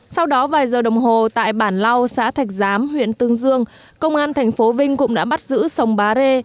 sau đó vài giờ đồng hồ tại bản lau xã thạch giám huyện tương dương công an tp vinh cũng đã bắt giữ sông bá rê